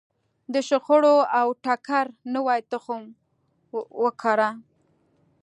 د شخړو او ټکر نوی تخم وکره.